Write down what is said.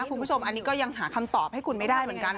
คุณผู้ชมอันนี้ก็ยังหาคำตอบให้คุณไม่ได้เหมือนกัน